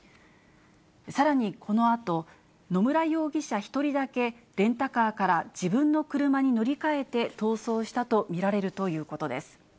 さらにこのあと、野村容疑者１人だけ、レンタカーから自分の車に乗り換えて、逃走したと見られるということです。